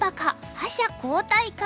覇者交代か！？